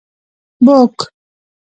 book